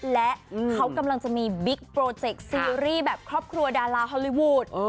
และเขากำลังจะมีบิ๊กโปรเจกต์ซีรีส์แบบครอบครัวดาราฮอลลี่วูด